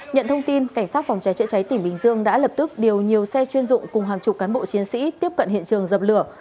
nhận thông tin cảnh sát phòng cháy chữa cháy tỉnh bình dương đã lập tức điều nhiều xe chuyên dụng cùng hàng chục cán bộ chiến sĩ tiếp cận hiện trường dập lửa